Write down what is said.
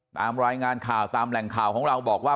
ตามรายงานข่าวตามแหล่งข่าวของเราบอกว่า